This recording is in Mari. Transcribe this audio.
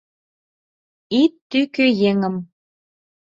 — Ит тӱкӧ еҥым!